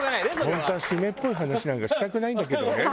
「本当は湿っぽい話なんかしたくないんだけどね」